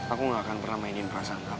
aku gak akan pernah mainin perasaan kamu